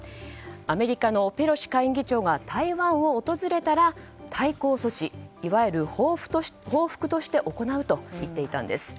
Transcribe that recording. アメリカのペロシ下院議長が台湾を訪れたら対抗措置、いわゆる報復として行うといっていたんです。